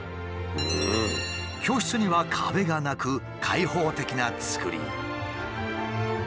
教室には壁がなく開放的な造り。